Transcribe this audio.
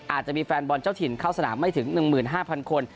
อาจจะมีแฟนบอลเจ้าถิ่นเข้าสนามไม่ถึง๑๕๐๐คน